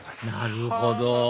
なるほど！